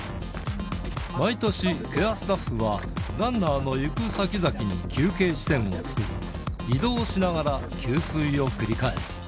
毎年、ケアスタッフはランナーの行く先々に休憩地点を作り、移動しながら給水を繰り返す。